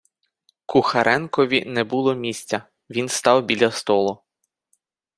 Кухаренкові не було місця, він став біля столу.